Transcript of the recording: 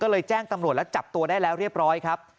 ก็เลยแจ้งตำรวจแล้วจับตัวได้แล้วเรียบร้อยครับ